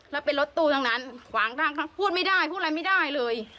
แล้วเป็นรถตู้ทั้งนั้นขวางทางพูดไม่ได้พูดอะไรไม่ได้เลย